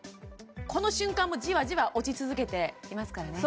この瞬間もじわじわ落ち続けていますからね